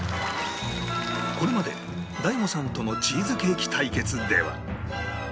これまで ＤＡＩＧＯ さんとのチーズケーキ対決では